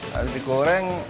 terus di goreng